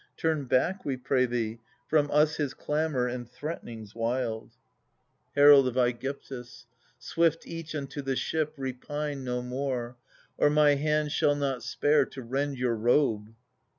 Turn back, we pray thee, from us his clamour and threaten^ ings wild ! 44 THE SUPPLTANT MAIDENS. Herald of ^gyptus. Swift each unto the ship ; repine no more, Or my hand shall not spare to rend your robe.